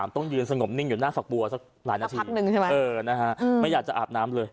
ต้องยืนสงบนิ่งอยู่หน้าฝักบัวสักหลายนาทีพักนึงใช่ไหมไม่อยากจะอาบน้ำเลย